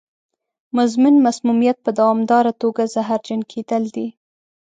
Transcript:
مزمن مسمومیت په دوامداره توګه زهرجن کېدل دي.